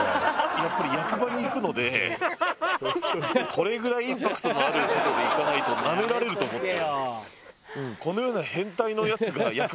これぐらいインパクトのある格好で行かないとなめられると思って。